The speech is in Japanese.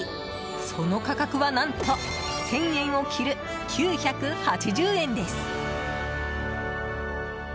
その価格は、何と１０００円を切る９８０円です。